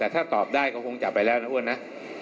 แต่ถ้าตอบได้ก็คงจับไปแล้วนะอ้วนนะ